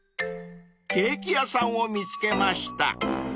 ［ケーキ屋さんを見つけました］